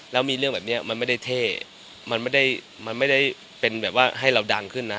แล้วมีเรื่องแบบนี้มันไม่ได้เท่มันไม่ได้มันไม่ได้เป็นแบบว่าให้เราดังขึ้นนะ